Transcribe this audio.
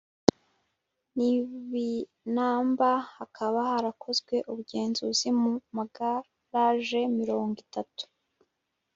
n ibinamba Hakaba harakozwe ubugenzuzi mu magaraje mirongo itatu